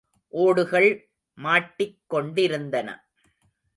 ஓடுகள் மாட்டிக் கொண்டிருந்தன.